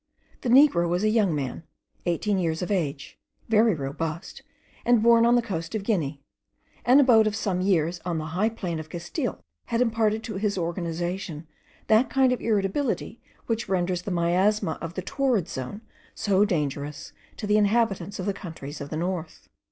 The negro was a young man, eighteen years of age, very robust, and born on the coast of Guinea; an abode of some years on the high plain of Castile, had imparted to his organization that kind of irritability which renders the miasma of the torrid zone so dangerous to the inhabitants of the countries of the north.